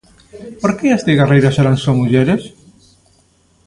Por que as cigarreiras eran só mulleres?